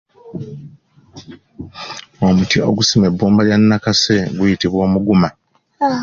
Omuti ogusima ebbumba lya Nakase guyitibwa Omuguma.